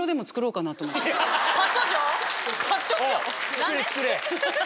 作れ作れ。